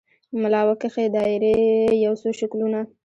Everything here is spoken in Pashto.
ملا وکښې دایرې یو څو شکلونه